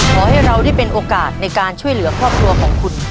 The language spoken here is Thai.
ขอให้เราได้เป็นโอกาสในการช่วยเหลือครอบครัวของคุณ